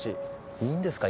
いいんですか？